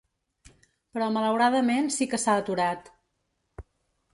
Però malauradament sí que s’ha aturat.